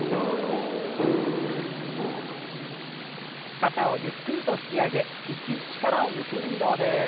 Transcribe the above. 肩をゆっくりと引き上げ一気に力を抜く運動です。